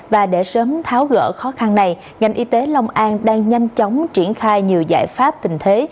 và để sớm tháo gỡ khó khăn này ngành y tế long an đang nhanh chóng triển khai nhiều giải pháp tình thế